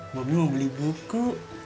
bobi mau beli buku